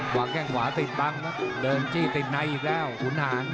หว่างแก้งขวาติดบังแล้วเดินจี้ติดในอีกแล้วหุ่นหาญ